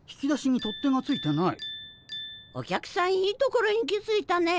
お客さんいいところに気づいたね。